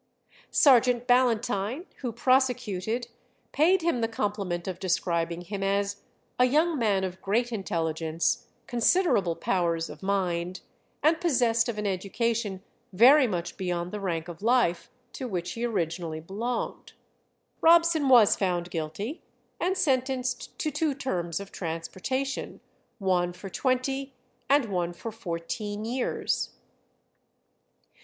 Sergeant Ballantine, who prosecuted, paid him the compliment of describing him as "a young man of great intelligence, considerable powers of mind, and possessed of an education very much beyond the rank of life to which he originally belonged." Robson was found guilty, and sentenced to two terms of transportation, one for twenty and one for fourteen years.